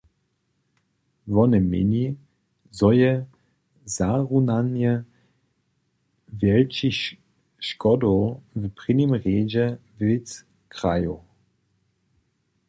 Wone měni, zo je zarunanje wjelčich škodow w prěnim rjedźe wěc krajow.